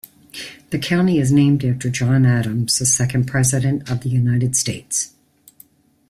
The county is named after John Adams, the second President of the United States.